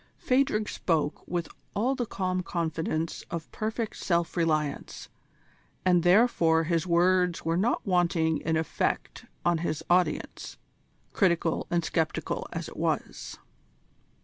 Phadrig spoke with all the calm confidence of perfect self reliance, and therefore his words were not wanting in effect on his audience, critical and sceptical as it was.